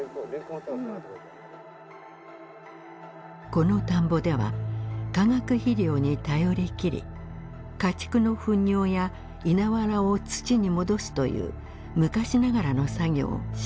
この田んぼでは化学肥料に頼り切り家畜の糞尿や稲わらを土に戻すという昔ながらの作業をしなくなっていました。